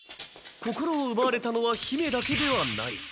心をうばわれたのは姫だけではない。